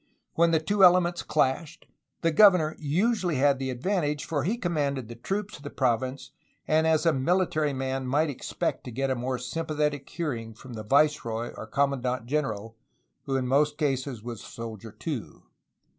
When the two elements clashed, the governor usually had the advantage, for he commanded the troops of the province and as a military man might expect to get a more sympathetic hearing from the viceroy or commandant general, who in most cases was a soldier, too.